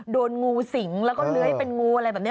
โดนงูสิงแล้วก็เลื้อยเป็นงูอะไรแบบนี้